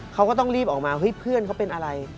เขาก็ต้องรีบออกมาเฮ้ยเพื่อนเขาเป็นอะไร